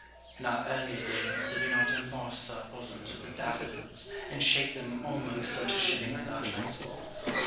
In our earlier days did we not emboss our bosoms with the daffodils, and shake them almost unto shedding with our transport